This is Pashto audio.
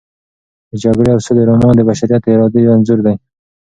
د جګړې او سولې رومان د بشریت د ارادې یو انځور دی.